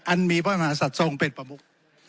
มีพระมหาศัตริย์ทรงเป็นประมุก